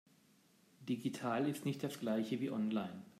Digital ist nicht das Gleiche wie online.